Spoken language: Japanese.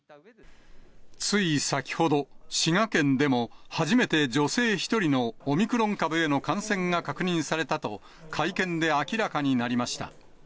つい先ほど、滋賀県でも初めて女性１人のオミクロン株への感染が確認されたと、会見で明らかになりました。